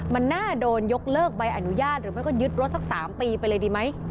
มันน่าโดนยกเลิกใบอนุญาตหรือไม่ก็ยึดรถสัก๓ปีไปเลยดีไหม